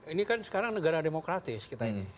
ini kan sekarang negara demokratis kita ini